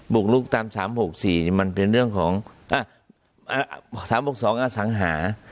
กลุกตาม๓๖๔มันเป็นเรื่องของ๓๖๒อสังหา